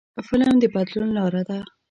فلم د بدلون لاره ده